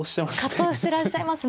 葛藤してらっしゃいますね。